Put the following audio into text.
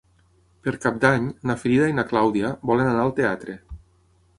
Per Cap d'Any na Frida i na Clàudia volen anar al teatre.